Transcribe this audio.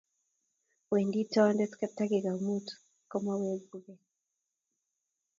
Wendi toondet takika muut komeweguge